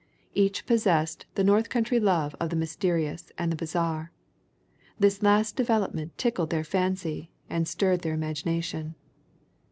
Each possessed the North country love of the mysterious and the bizarre this last development tickled their fancy and stirred their imagination.